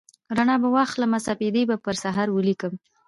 رڼا به واخلمه سپیدې به پر سحر ولیکم